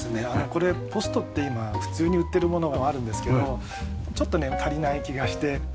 これポストって今普通に売っているものもあるんですけどちょっとね足りない気がして。